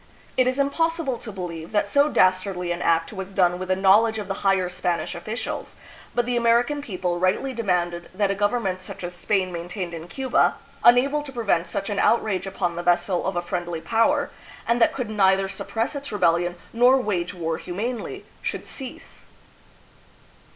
It is impossible to believe that so dastardly an act was done with the knowledge of the higher Spanish officials; but the American people rightly demanded that a government such as Spain maintained in Cuba, unable to prevent such an outrage upon the vessel of a friendly power, and that could neither suppress its rebellion nor wage war humanely, should cease.